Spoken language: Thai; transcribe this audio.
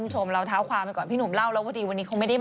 ชมเราเท้าความไปก่อนพี่หนุ่มเล่าแล้วพอดีวันนี้เขาไม่ได้